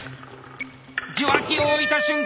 受話器を置いた瞬間競技終了。